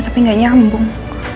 tapi gak nyambung